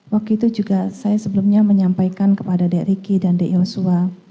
waktu itu juga saya sebelumnya menyampaikan kepada d ricky dan d yosua